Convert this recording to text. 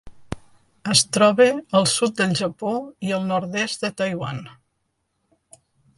Es troba al sud del Japó i el nord-est de Taiwan.